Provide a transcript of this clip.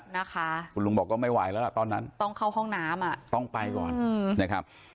นะคะคุณลุงบอกก็ไม่ไหวแล้วล่ะตอนนั้นต้องเข้าห้องน้ำอ่ะต้องไปก่อนนะครับ